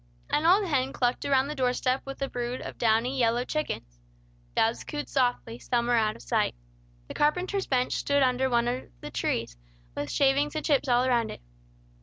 An old hen clucked around the door step with a brood of downy, yellow chickens. Doves cooed softly, somewhere out of sight. The carpenter's bench stood under one of the trees, with shavings and chips all around it.